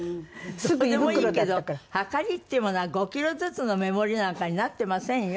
どうでもいいけど量りっていうものは５キロずつの目盛りなんかになってませんよ。